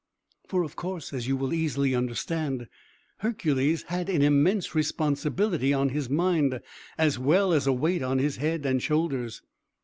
For, of course, as you will easily understand, Hercules had an immense responsibility on his mind, as well as a weight on his head and shoulders.